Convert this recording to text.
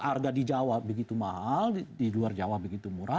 harga di jawa begitu mahal di luar jawa begitu murah